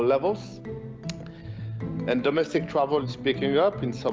dan perjalanan domestik menarik di beberapa pasar